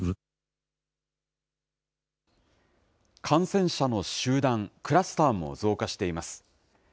感染者の集団・クラスターも増加しています。